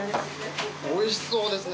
おいしそうですね！